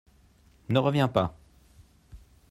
Ne reviens pas !